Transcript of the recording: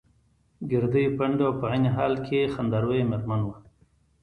ګردۍ، پنډه او په عین حال کې خنده رویه مېرمن وه.